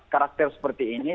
karakter seperti ini